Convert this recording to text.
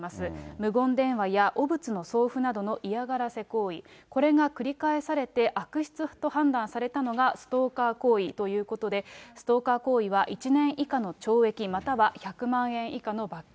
無言電話や汚物の送付などの嫌がらせ行為、これが繰り返されて、悪質と判断されたのがストーカー行為ということで、ストーカー行為は１年以下の懲役または１００万円以下の罰金。